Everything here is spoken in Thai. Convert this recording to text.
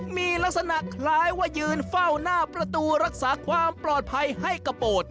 มีลักษณะคล้ายว่ายืนเฝ้าหน้าประตูรักษาความปลอดภัยให้กระโปรด